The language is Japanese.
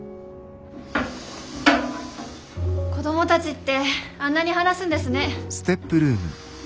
子供たちってあんなに話すんですね。